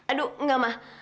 aduh enggak ma